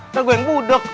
itu gue yang budeg